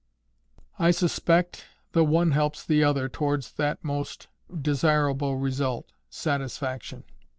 I suspect the one helps the other towards that most desirable result, satisfaction.